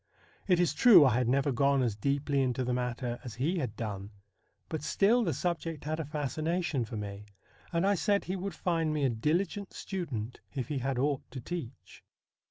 It is true I had never gone as deeply into the matter as he had done, but still the subject had a fascination for me, and I said he would find me a diligent student if he had aught to teach.